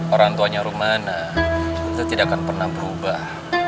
orang tuanya rumah itu tidak akan pernah berubah